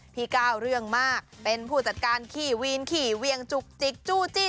พี่ก้าวเรื่องมากเป็นผู้จัดการขี่วีนขี่เวียงจุกจิกจู้จี้